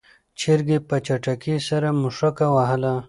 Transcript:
چرګې په چټکۍ سره مښوکه وهله.